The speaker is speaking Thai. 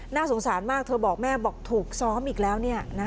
น่าสงสารมากเธอบอกแม่บอกถูกซ้อมอีกแล้ว